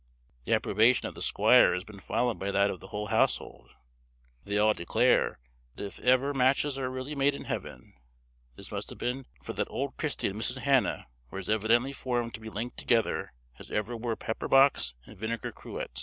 The approbation of the squire has been followed by that of the whole household; they all declare, that if ever matches are really made in heaven, this must have been; for that old Christy and Mrs. Hannah were as evidently formed to be linked together as ever were pepper box and vinegar cruet.